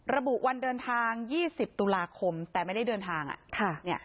ระบุวันเดินทาง๒๐ตุลาคมแต่ไม่ได้เดินทาง